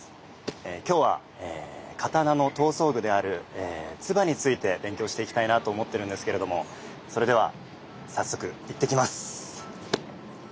今日は刀の刀装具である鐔について勉強していきたいなと思ってるんですけれどもそれでは早速行ってきます。